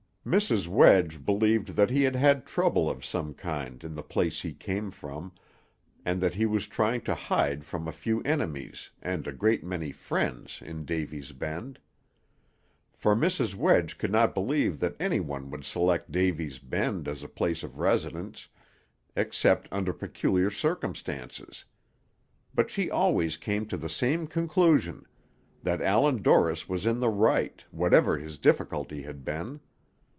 Mrs. Wedge believed that he had had trouble of some kind in the place he came from, and that he was trying to hide from a few enemies, and a great many friends, in Davy's Bend; for Mrs. Wedge could not believe that anyone would select Davy's Bend as a place of residence except under peculiar circumstances; but she always came to the same conclusion, that Allan Dorris was in the right, whatever his difficulty had been.